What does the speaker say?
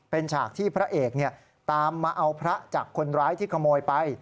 เป็นฉากที่พระเอกตามมาเอาพระจากคนร้ายที่ขโมยไป